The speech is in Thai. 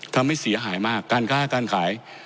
ทำให้เสียหายมากการค้าการขาย